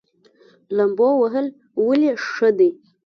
لامبو وهل ولې ښه دي؟